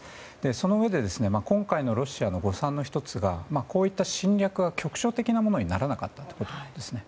そのうえで今回のロシアの誤算の１つがこういった侵略が局所的なものにならなかったことですね。